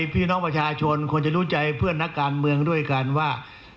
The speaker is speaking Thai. พี่น้องประชาชนควรจะรู้ใจเพื่อนนักการเมืองด้วยกันว่า